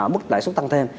mức lãi xuất tăng thêm